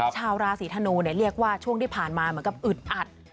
ชาวราศีธนูเรียกว่าช่วงที่ผ่านมาเหมือนกับอึดอัด